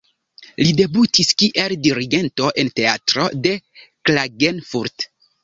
Li debutis kiel dirigento en teatro de Klagenfurt.